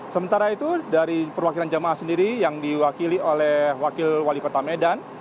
sementara itu dari perwakilan jamaah sendiri yang diwakili oleh wakil wali kota medan